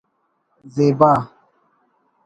زیبا